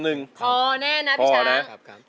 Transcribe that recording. พอแน่นะพี่ช้าง